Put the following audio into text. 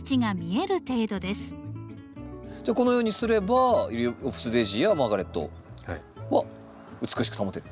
じゃあこのようにすればユリオプスデージーやマーガレットは美しく保てる。